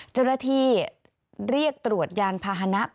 เจ้าหน้าที่เรียกตรวจยานพาหนะ